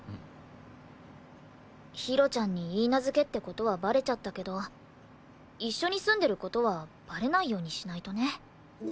ひろちゃんに許嫁って事はバレちゃったけど一緒に住んでる事はバレないようにしないとね。